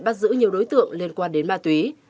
bắt giữ nhiều đối tượng liên quan đến ma túy